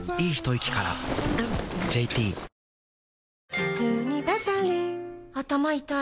頭痛にバファリン頭痛い